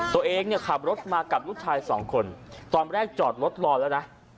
ตัวเองเนี่ยขับรถมากับลูกชายสองคนตอนแรกจอดรถรอแล้วนะ